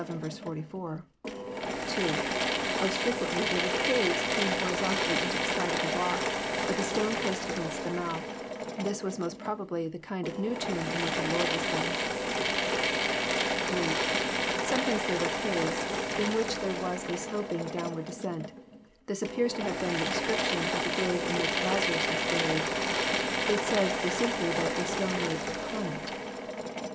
(2) Most fjrequently they were caves hevni horizontally into the side of a rock, with a stone placed against the mouth. This was most probably the kind of new tomb in which our Lord was laid. (3) Sometimes they were caves in which there was a sloping, downward descent. This appears to have been the description of grave in which Lazarus was buried. It says distinctly tliat *' a stone lay upon it."